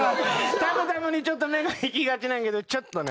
たむたむに目がいきがちなんやけどちょっとね。